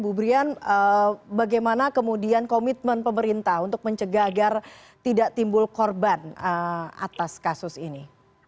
bu brian bagaimana kemudian komitmen pemerintah untuk mencegah agar tidak timbul korban atas kasus ini